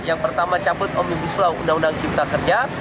yang pertama cabut omnibus law undang undang cipta kerja